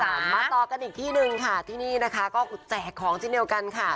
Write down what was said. มาต่อกันอีกที่หนึ่งค่ะที่นี่นะคะก็แจกของเช่นเดียวกันค่ะ